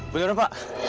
punya dong pak